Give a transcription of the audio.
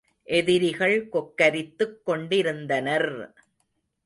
எதிரிகள் கொக்கரித்துக் கொண்டிருந்தனர்!